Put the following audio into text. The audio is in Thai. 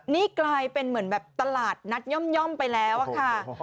นี่กลายเป็นเหมือนแบบตลาดนัดย่อมไปแล้วอะค่ะ